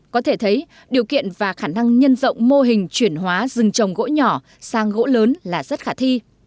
có thể thấy điều kiện và khả năng nhân rộng mô hình chuyển hóa rừng trồng gỗ nhỏ sang gỗ lớn là rất khả thi